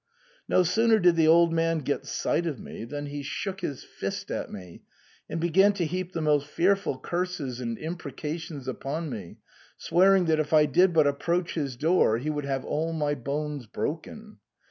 No sooner did the old man get sight of me than he shook his fist at me, and began to heap the most fear ful curses and imprecations upon me, swearing that if I did but approach his door he would have all my bones broken.